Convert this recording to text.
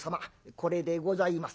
これでございます」。